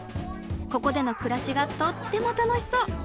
ここでの暮らしがとっても楽しそう。